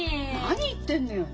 何言ってんのよ！